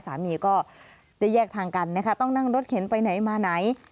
สามีก็ได้แยกทางกันนะคะต้องนั่งรถเข็นไปไหนมาไหน